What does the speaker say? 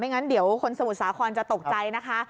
งั้นเดี๋ยวคนสมุทรสาครจะตกใจนะคะ